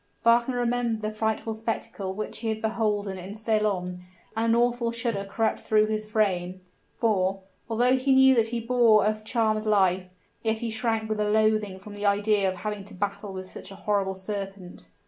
Wagner remembered the frightful spectacle which he had beholden in Ceylon, and an awful shudder crept through his frame; for, although he knew that he bore a charmed life, yet he shrank with a loathing from the idea of having to battle with such a horrible serpent.